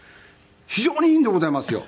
非常にいいんでございますよ。